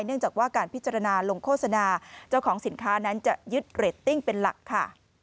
เนื่องจากว่าการพิจารณาลงโฆษณาเจ้าของสินค้านั้นจะยึดเรตติ้งเป็นหลักค่ะ